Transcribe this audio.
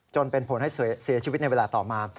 จนเป็นผลให้เสียชีวิตในเวลาต่อมา